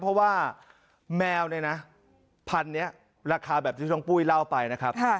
เพราะว่าแมวแมวแหละแบบที่ต่องปุ้ยเล่าไปนะครับ